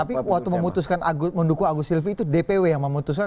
tapi waktu memutuskan mendukung agus silvi itu dpw yang memutuskan